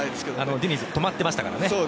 ディニズ止まっていましたからね。